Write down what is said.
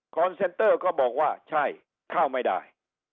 เซนเตอร์ก็บอกว่าใช่เข้าไม่ได้